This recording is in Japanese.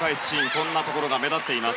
そんなところが目立っています。